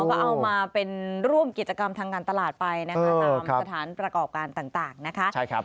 ก็เอามาเป็นร่วมกิจกรรมทางการตลาดไปนะคะตามสถานประกอบการต่างนะคะ